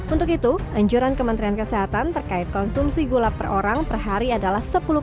untuk itu anjuran kementerian kesehatan terkait konsumsi gula per orang per hari adalah